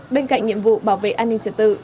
bên cạnh nhiệm vụ bảo vệ an ninh trật tự